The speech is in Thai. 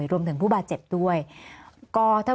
มีความรู้สึกว่าเสียใจ